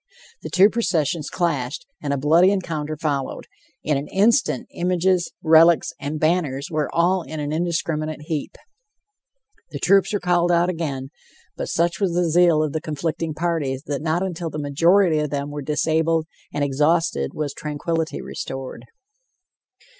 The two processions clashed, and a bloody encounter followed; in an instant images, relics and banners were all in an indiscriminate heap. The troops were called out again, but such was the zeal of the conflicting parties that not until the majority of them were disabled and exhausted, was tranquility restored.